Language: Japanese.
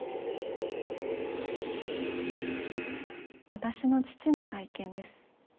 私の父の体験です。